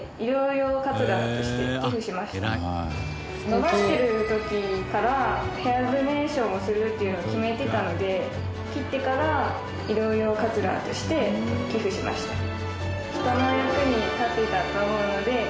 伸ばしてる時からヘアドネーションをするっていうのを決めてたので切ってから医療用カツラとして寄付しました。